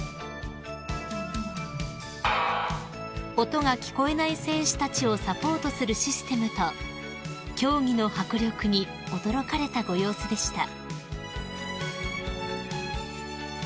［音が聞こえない選手たちをサポートするシステムと競技の迫力に驚かれたご様子でした］